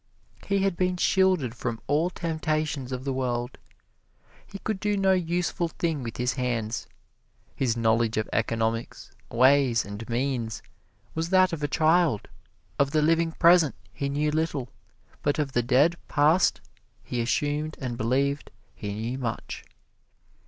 He had been shielded from all temptations of the world; he could do no useful thing with his hands; his knowledge of economics ways and means was that of a child; of the living present he knew little, but of the dead past he assumed and believed he knew much.